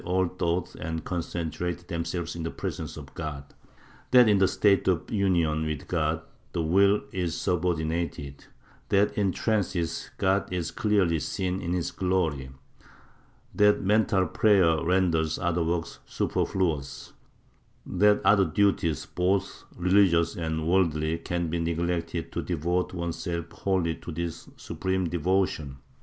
VJ THE MYSTICS OF SE VILLE 31 all thought and concentrated themselves in the presence of God — that, in the state of Union with God, the will is subordinated — that in trances God is clearly seen in his glory — that mental prayer renders other works superfluous — that other duties, both rehgious and worldly, can be neglected to devote oneself wholly to this supreme devotion.